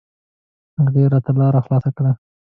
هغې راته لاره خلاصه کړه.